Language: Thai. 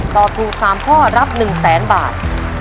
ตอบถูก๓ข้อรับ๑๐๐๐๐๐บาท